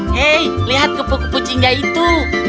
hei lihat kupu kupu cingga itu